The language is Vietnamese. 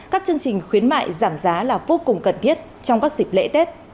các chương trình khuyến mại giảm giá là vô cùng cần thiết trong các dịp lễ tết